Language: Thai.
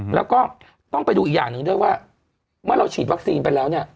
แล้วก็ต้องไปดูอีกอย่างหนึ่งด้วยว่าเมื่อเราฉีดวัคซีนไปแล้วเนี่ย